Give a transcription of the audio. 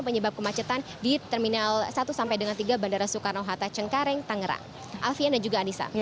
penyebab kemacetan di terminal satu sampai dengan tiga bandara soekarno hatem cengkareng tangerang